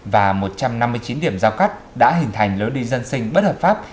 và một trăm năm mươi chín điểm giao cắt đã hình thành lối đi dân sinh bất hợp pháp